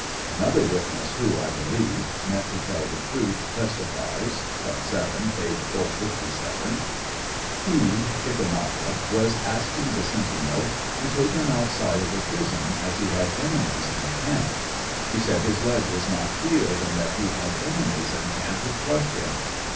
Another witness, who, I believe, meant to tell the truth, testifies (part 7, page 457:) He ("Chickamauga") was asking tlie sentinel to take him outside of the piison, as he had enemies iu the camp. He said his leg was not healed, and that he had enemies in camp who clubbed him.